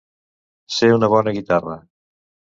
Ser una bona guitarra.